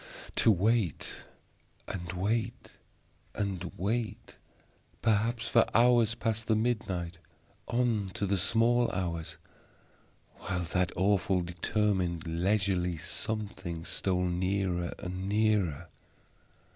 To wait and wait and wait perhaps for hours past the midnight on to the small hours while that awful, determined, leisurely Something stole nearer and nearer.